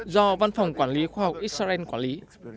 do văn phòng quản lý khoa học israel quản lý